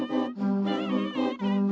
pertama suara dari biasusu